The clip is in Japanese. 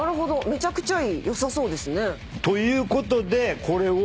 めちゃくちゃ良さそうですね。ということでこれを。